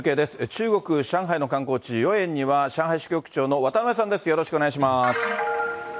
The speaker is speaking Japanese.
中国・上海の観光地、よえんには中国・上海市の渡辺さんです、よろしくお願いします。